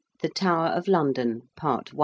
THE TOWER OF LONDON. PART I.